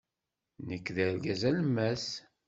Nekk d argaz alemmas.